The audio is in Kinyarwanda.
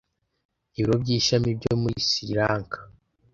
ibiro by ishami byo muri siri lanka